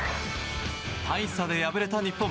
大差で敗れた日本。